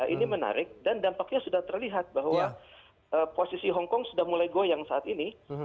ini menarik dan dampaknya sudah terlihat bahwa posisi hongkong sudah mulai goyang saat ini